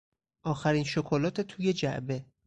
آخرین شکلات توی جعبه